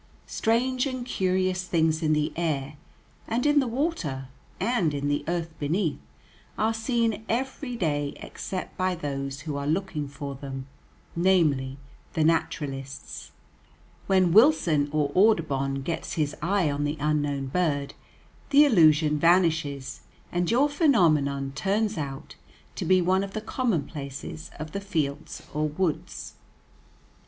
Strange and curious things in the air, and in the water, and in the earth beneath, are seen every day except by those who are looking for them, namely, the naturalists. When Wilson or Audubon gets his eye on the unknown bird, the illusion vanishes, and your phenomenon turns out to be one of the commonplaces of the fields or woods.